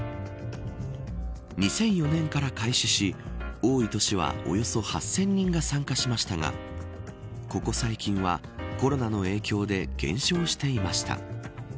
２００４年から開始し多い年は、およそ８０００人が参加しましたがここ最近は、コロナの影響で減少していました。